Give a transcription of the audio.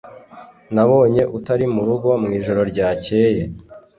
Nabonye utari murugo mwijoro ryakeye